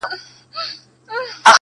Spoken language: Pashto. ستا په سترگو کي سندري پيدا کيږي,